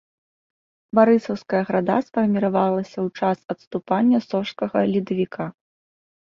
Барысаўская града сфарміравалася ў час адступання сожскага ледавіка.